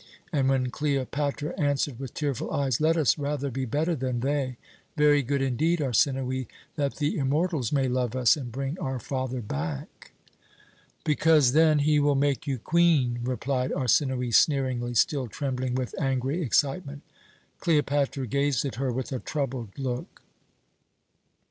and when Cleopatra answered with tearful eyes, 'Let us rather be better than they, very good indeed, Arsinoë, that the immortals may love us and bring our father back.' "'Because then he will make you Queen,' replied Arsinoë sneeringly, still trembling with angry excitement. "Cleopatra gazed at her with a troubled look.